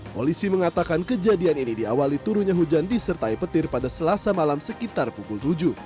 polisi mengatakan kejadian ini diawali turunnya hujan disertai petir pada selasa malam sekitar pukul tujuh